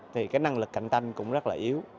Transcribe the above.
thì cái năng lực cạnh tranh cũng rất là yếu